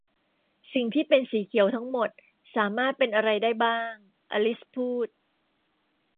'สิ่งที่เป็นสีเขียวทั้งหมดสามารถเป็นอะไรได้บ้าง ? ' อลิซพูด